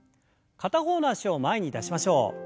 片方の脚を前に出しましょう。